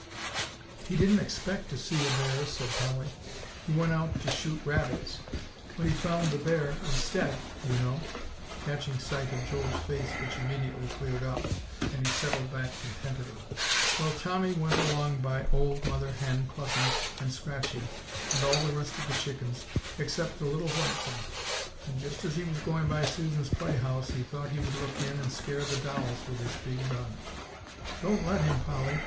"He didn't expect to see a bear," said Polly; "he went out to shoot rabbits. But he found the bear instead, you know," catching sight of Joel's face, which immediately cleared up, and he settled back contentedly. "Well, Tommy went along by old Mother Hen clucking and scratching, and all the rest of the chickens, except the little white one; and just as he was going by Susan's playhouse he thought he would look in and scare the dolls with his big gun." "Don't let him, Polly!"